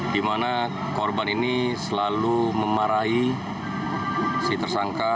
di mana korban ini selalu memarahi si tersangka